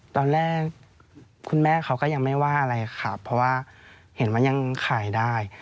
ตอนแรกคุณแม่เขาก็ยังไม่ว่าอะไรครับเพราะว่าเห็นว่ายังขายได้